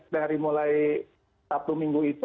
dari mulai sabtu minggu itu